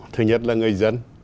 thứ nhất là người dân